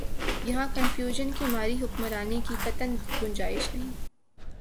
یہاں کنفیوژن کی ماری حکمرانی کی قطعا گنجائش نہیں۔